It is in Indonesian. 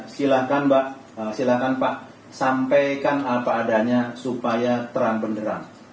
silahkan mbak silahkan pak sampaikan apa adanya supaya terang benderang